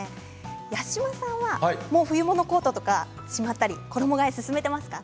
八嶋さんはもう冬物のコートとかしまったり衣がえ進めていますか。